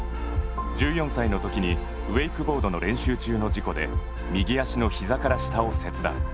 １４歳のときにウェイクボードの練習中の事故で右足のひざから下を切断。